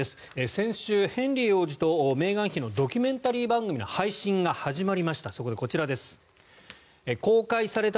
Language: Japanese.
先週ヘンリー王子とメーガン妃のドキュメンタリー番組の配信が始まりました。